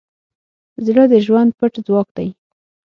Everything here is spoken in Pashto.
زړه د ژوند پټ ځواک دی.